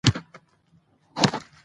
هغه باید د لویشت قبر خاوند شي.